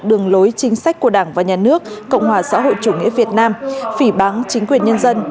đường lối chính sách của đảng và nhà nước cộng hòa xã hội chủ nghĩa việt nam phỉ bán chính quyền nhân dân